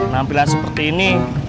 nampilan seperti ini